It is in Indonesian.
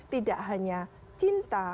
tidak hanya cinta